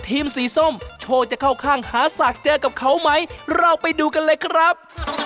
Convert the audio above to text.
ทีมสีส้มทำภารกิจสำเร็จหาโครกกันในการหาโครกนะครับ